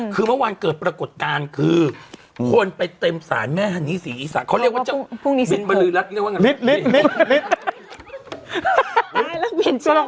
คือเมื่อวานเกิดปรากฏการณ์คือคนไปเต็มสารแม่ฮันนี่สีอีสาน